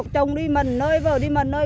chồng đi mần nơi vợ đi mần nơi